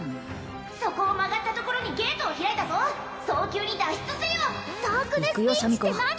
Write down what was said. そこを曲がったところにゲートを開いたぞ早急に脱出せよダークネスピーチって何！？